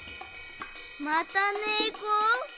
またねこ？